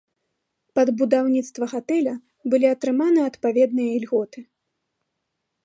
Пад будаўніцтва гатэля былі атрыманыя адпаведныя ільготы.